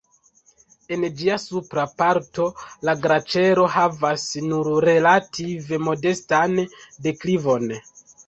En ĝia supra parto la glaĉero havas nur relative modestan deklivon.